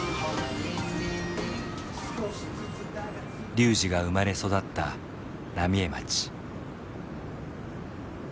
龍司が生まれ育った浪江町。